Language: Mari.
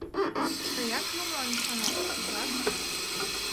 — Тыят юмылан ӱшанет, ужат?